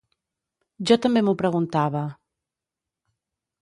Jo també m’ho preguntava.